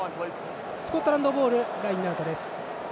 スコットランドボールのラインアウトです。